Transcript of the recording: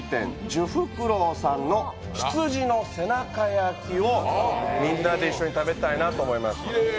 聚福楼さんの羊の背中焼きをみんなで一緒に食べたいなと思います。